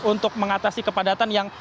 untuk mengatasi kepadatan yang